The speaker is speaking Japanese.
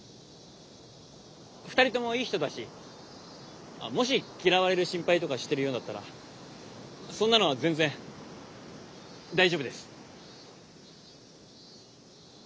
２人ともいい人だしもし嫌われる心配とかしてるようだったらそんなのは全然大丈夫です。